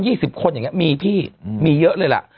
ดรอ